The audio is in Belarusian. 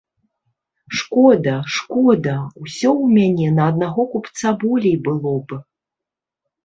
Шкода, шкода, усё ў мяне на аднаго купца болей было б!